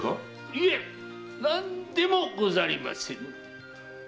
いえ何でもござりませぬ。